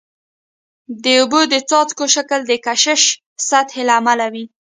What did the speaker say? د اوبو د څاڅکو شکل د کشش سطحي له امله وي.